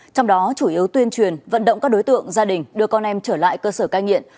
trong đó chủ yếu tuyên truyền vận động các đối tượng gia đình đưa con em trở lại cơ sở cai nghiện